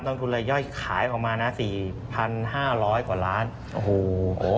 นักคลุมรายย่อยขายออกมานะ๔๕๐๐กว่าล้านโธ่